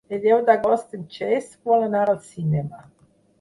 El deu d'agost en Cesc vol anar al cinema.